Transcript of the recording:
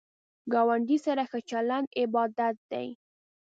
ګاونډی سره ښه چلند عبادت دی